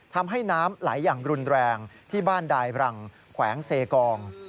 ทำให้น้ำไหลอย่างรุนแรงที่บ้านดายบรังแขวงเซกอง